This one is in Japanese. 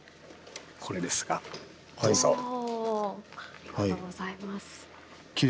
ありがとうございます。